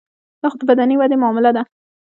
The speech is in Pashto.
دا خو د بدني ودې معامله ده.